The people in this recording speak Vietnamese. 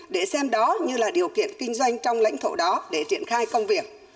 để xem đó như là điều kiện kinh doanh trong lãnh thổ đó để triển khai công việc